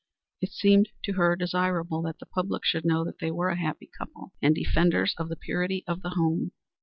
It seemed to her desirable that the public should know that they were a happy couple and defenders of the purity of the home.